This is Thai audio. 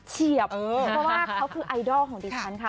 เพราะว่าเขาคือไอดอลของดิฉันค่ะ